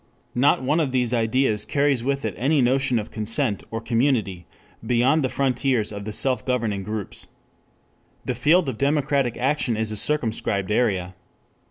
Not one of these ideas carries with it any notion of consent or community beyond the frontiers of the self governing groups. The field of democratic action is a circumscribed area.